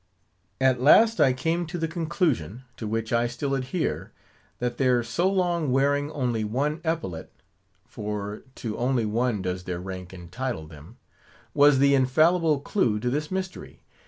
At last, I came to the conclusion—to which I still adhere—that their so long wearing only one epaulet (for to only one does their rank entitle them) was the infallible clew to this mystery.